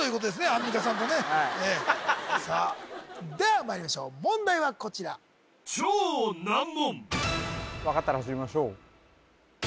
アンミカさんとねさあではまいりましょう問題はこちら分かったら走りましょう